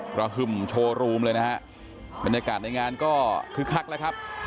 หึ่มโชว์รูมเลยนะฮะบรรยากาศในงานก็คึกคักแล้วครับ